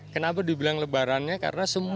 kenapa dibilang lebarannya